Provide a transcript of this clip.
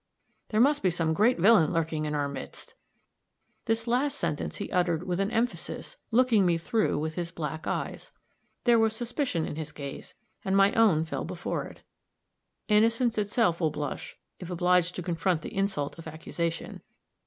There must be some great villain lurking in our midst!" this last sentence he uttered with an emphasis, looking me through with his black eyes. There was suspicion in his gaze, and my own fell before it. Innocence itself will blush if obliged to confront the insult of accusation.